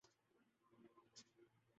سربراہ تحریک انصاف۔